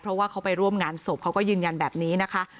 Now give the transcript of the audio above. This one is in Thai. เพราะว่าเขาไปร่วมงานศพเขาก็ยืนยันแบบนี้นะคะ